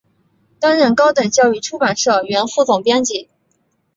担任高等教育出版社原副总编辑。